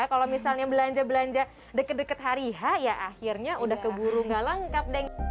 kalau misalnya belanja belanja deket deket hari ya akhirnya udah keburu gak lengkap